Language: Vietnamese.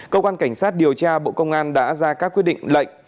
công an cảnh sát điều tra bộ công an đã ra các quy định lệnh